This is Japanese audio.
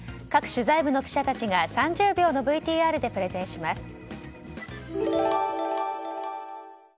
各取材部の記者たちが３０秒のＶＴＲでプレゼンします。